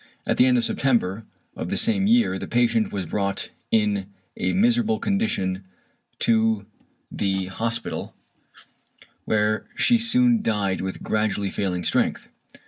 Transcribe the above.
At the end of September of the same year the patient was brought in a miserable condition to the hospital, where she soon died with gradually failing strength.